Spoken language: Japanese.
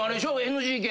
ＮＧＫ